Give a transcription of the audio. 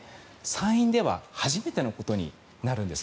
山陰では初めてのことになるんです。